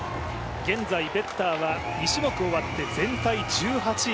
現在ベッターは２種目終わって全体１８位。